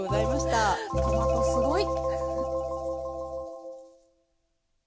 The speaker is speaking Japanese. トマトすごい！